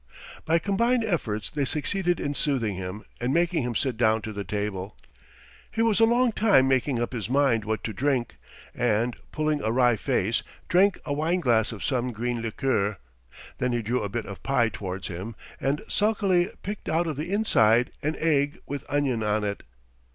By combined efforts they succeeded in soothing him and making him sit down to the table. He was a long time making up his mind what to drink, and pulling a wry face drank a wine glass of some green liqueur; then he drew a bit of pie towards him, and sulkily picked out of the inside an egg with onion on it.